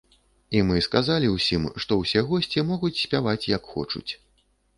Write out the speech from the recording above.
І мы сказалі ўсім, што ўсе госці могуць спяваць як хочуць.